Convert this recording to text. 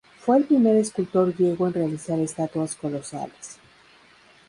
Fue el primer escultor griego en realizar estatuas colosales.